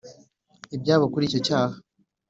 ibyabo kuri icyo cyaha